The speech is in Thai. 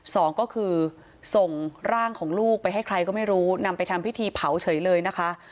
สองก็คือส่งร่างของลูกไปให้ใครก็ไม่รู้นำไปทำพิธีเผาเฉยเลยนะคะ